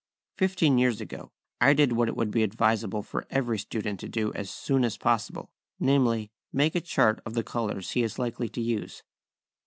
Fifteen years ago I did what it would be advisable for every student to do as soon as possible, namely, make a chart of the colours he is likely to use.